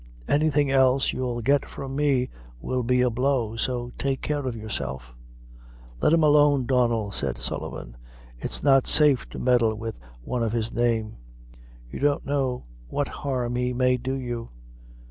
Anything else you'll get from me will be a blow; so take care of yourself." "Let him alone, Donnel," said Sullivan; "it's not safe to meddle with one of his name. You don't know what harm he may do you."